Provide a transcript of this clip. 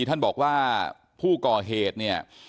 ท่านบอกว่าผู้ก่อเหตุเนี่ย